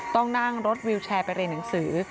ต้องนั่งรถวิวแชร์ไปเรียนหนังสือ